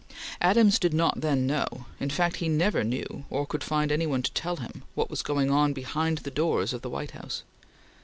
Adams did not then know in fact, he never knew, or could find any one to tell him what was going on behind the doors of the White House.